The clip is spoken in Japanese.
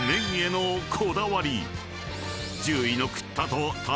［１０位の］